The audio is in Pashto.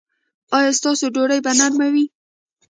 ایا ستاسو ډوډۍ به نرمه وي؟